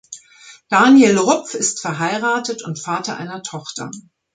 Daniel Rupf ist verheiratet und Vater einer Tochter.